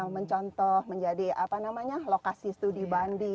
mencontoh menjadi apa namanya lokasi studi banding